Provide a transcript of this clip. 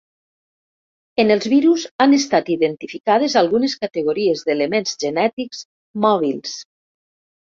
En els virus, han estat identificades algunes categories d'elements genètics mòbils.